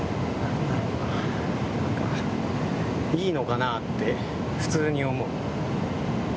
いいのかなって普通に思う。